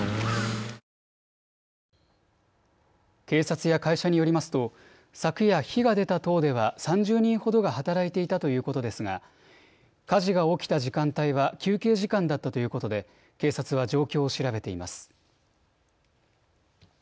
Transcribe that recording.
警察や会社によりますと昨夜、火が出た棟では３０人ほどが働いていたということですが火事が起きた時間帯は休憩時間だったということで警察は状況を調べています。